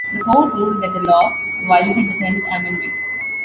The court ruled that the law violated the Tenth Amendment.